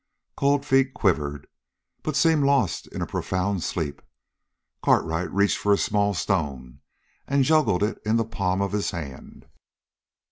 Cold Feet quivered, but seemed lost in a profound sleep. Cartwright reached for a small stone and juggled it in the palm of his hand.